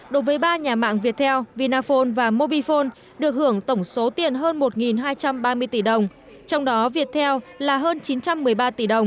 đối với ba nhà mạng viettel vinaphone và mobifone được hưởng tổng số tiền hơn một hai trăm ba mươi tỷ đồng trong đó viettel là hơn chín trăm một mươi ba tỷ đồng